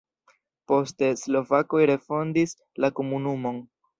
Poste slovakoj refondis la komunumon.